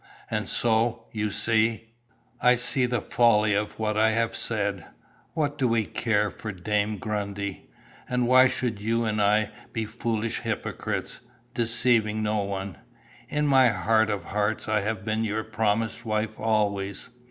"And so, you see " "I see the folly of what I have said. What do we care for dame Grundy? And why should you and I be foolish hypocrites, deceiving no one? In my heart of hearts I have been your promised wife always.